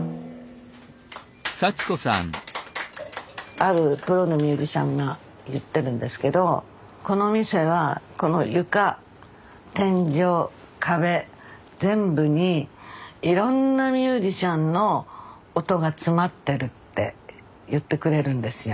あるプロのミュージシャンが言ってるんですけどこの店はこの床天井壁全部にいろんなミュージシャンの音が詰まってるって言ってくれるんですよ。